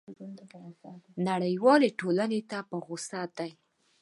او نړیوالي ټولني ته په غوصه دی!